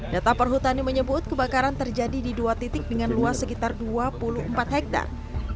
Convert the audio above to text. data perhutani menyebut kebakaran terjadi di dua titik dengan luas sekitar dua puluh empat hektare